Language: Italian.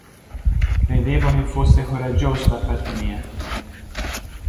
Credevo che fosse coraggioso da parte mia.